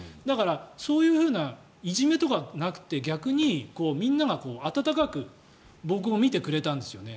そういういじめとかはなくて逆にみんなが温かく僕を見てくれたんですよね。